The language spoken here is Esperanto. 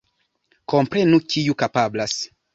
Komprenu kiu kapablas.